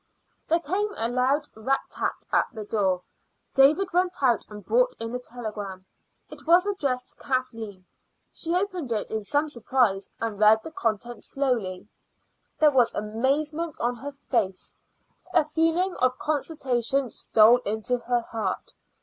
There came a loud rat tat at the front door. David went out and brought in a telegram. It was addressed to Kathleen. She opened it in some surprise, and read the contents slowly. There was amazement on her face; a feeling of consternation stole into her heart.